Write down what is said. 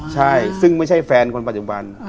ใช่ซึ่งไม่ใช่แฟนคนปัจจุบัน